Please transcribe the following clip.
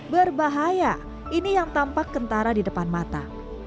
berbahaya ini yang tampak kentara di depan mata